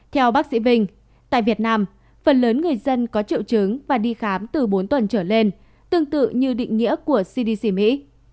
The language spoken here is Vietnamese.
theo bác sĩ vinh tại việt nam phần lớn người dân có triệu chứng và đi khám từ bốn tuần trở lên tương tự như định nghĩa của cdc mỹ